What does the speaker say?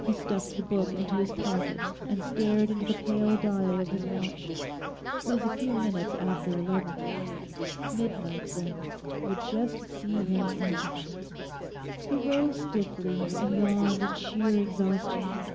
He stuffed the book into his pocket, and stared into the pale dial of his watch. It was a few minutes after eleven. Midnight, then, would just see him in. He rose stiffly and yawned in sheer exhaustion.